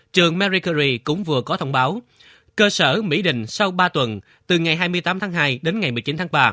trường maricory cũng vừa có thông báo cơ sở mỹ đình sau ba tuần từ ngày hai mươi tám tháng hai đến ngày một mươi chín tháng ba